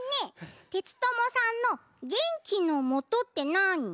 テツトモさんの「げんきのもと」ってなに？